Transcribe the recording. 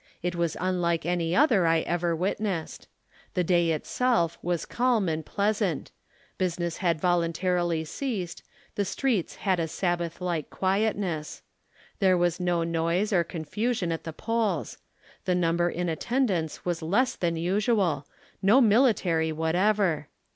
It was unlike any other I ever witnessed. The day itself was calm and pleasant; business had volunta rily ceased ; the streets had a Sabbath like quietness ; there was no noise or confusion at the polls ; the number in at tendance was less than usual ; no military whatever.